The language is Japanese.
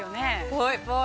◆ぽいぽい！